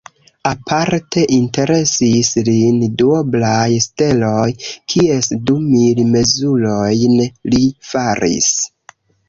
Aparte interesis lin duoblaj steloj, kies du mil mezurojn li faris.